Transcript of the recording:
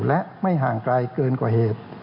และไม่ห่างไกลเกินกว่าเหตุ